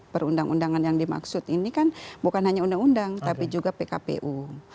perundang undangan yang dimaksud ini kan bukan hanya undang undang tapi juga pkpu